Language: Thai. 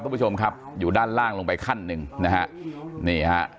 ท่านผู้ชมครับอยู่ด้านล่างลงไปขั้นนึงนะฮะ